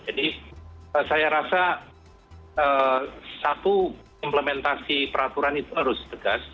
jadi saya rasa satu implementasi peraturan itu harus tegas